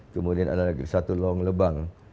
kemudian ada lagi satu long lebang